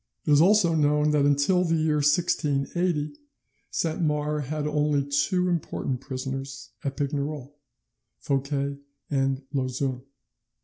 It is also known that until the year 1680 Saint Mars had only two important prisoners at Pignerol, Fouquet and Lauzun.